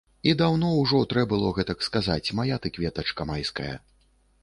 І даўно ўжо трэ было гэтак сказаць, мая ты кветачка майская.